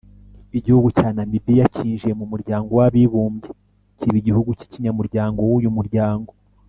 Igihugu cya Namibia cyinjiye mu muryango w’abibumbye kiba igihugu cy’ cy’ikinyamuryango w’uyu muryango